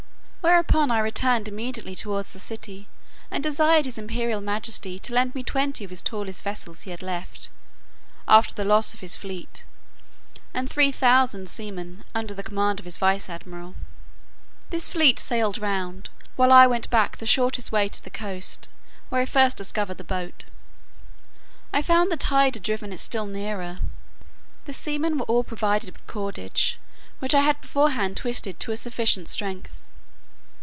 Whereupon, I returned immediately towards the city, and desired his imperial majesty to lend me twenty of the tallest vessels he had left, after the loss of his fleet, and three thousand seamen, under the command of his vice admiral. This fleet sailed round, while I went back the shortest way to the coast, where I first discovered the boat. I found the tide had driven it still nearer. The seamen were all provided with cordage, which I had beforehand twisted to a sufficient strength.